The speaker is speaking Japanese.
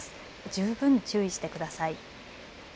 十分注意してください。